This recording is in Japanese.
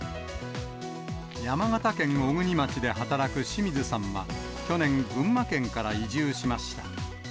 山形県小国町で働く清水さんは、去年、群馬県から移住しました。